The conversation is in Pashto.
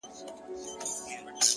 ماته د مار خبري ډيري ښې دي”